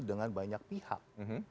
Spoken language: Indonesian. dengan banyak pihak